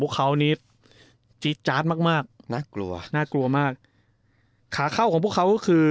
เขานี่จี๊ดจาดมากมากน่ากลัวน่ากลัวมากขาเข้าของพวกเขาก็คือ